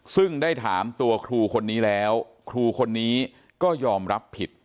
ซึ่งได้ถามตัวครูคนนี้แล้วครูคนนี้ก็ยอมรับผิด